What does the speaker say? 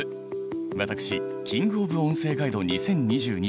私キング・オブ・音声ガイド２０２２